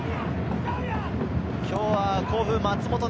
今日は甲府・松本凪